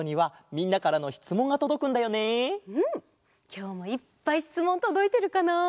きょうもいっぱいしつもんとどいてるかなあ？